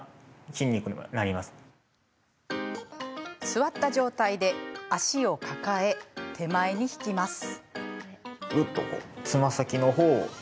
座った状態で足を抱え手前に引きます。